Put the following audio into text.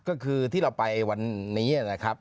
ก็คือที่เราไปวันนี้นะครับ